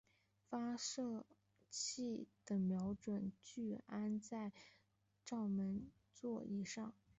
发射器的瞄准具安装在照门座以上。